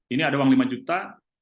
ini ada uang lima juta